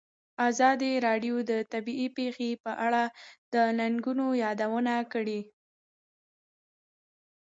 ازادي راډیو د طبیعي پېښې په اړه د ننګونو یادونه کړې.